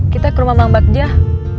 kita ke rumah mamang bagjah